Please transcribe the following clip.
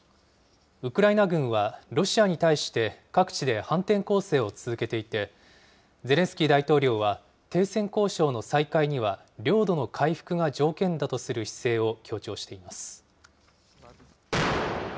ウクライナ軍は、ロシアに対して各地で反転攻勢を続けていて、ゼレンスキー大統領は、停戦交渉の再開には領土の回復が条件だとする姿勢を強調しています。